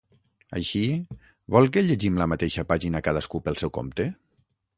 Així, vol que llegim la mateixa pàgina cadascú pel seu compte?